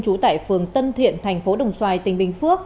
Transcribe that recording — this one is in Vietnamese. trú tại phường tân thiện thành phố đồng xoài tỉnh bình phước